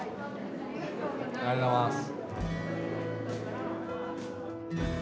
ありがとうございます。